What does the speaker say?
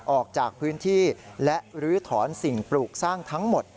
ออกจากพื้นที่และลื้อถอนสิ่งปลูกสร้างทั้งหมด